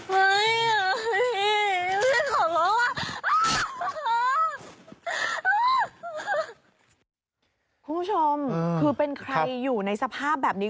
คุณผู้ชมคือเป็นใครอยู่ในสภาพแบบนี้